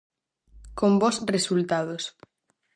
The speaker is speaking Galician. Con bos resultados.